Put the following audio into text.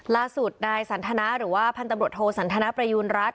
ล่าสุดนายสันทนาหรือว่าพันตำรวจโทสันทนประยูณรัฐ